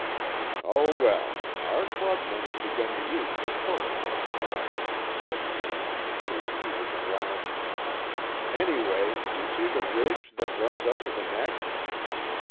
"Oh, well. Our clubmen have begun to use the tourists' talk," said Deering and gave Peter the glasses. "Anyway, you see the ridge that runs up to the neck?"